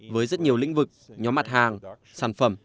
với rất nhiều lĩnh vực nhóm mặt hàng sản phẩm